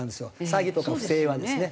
詐欺とか不正はですね。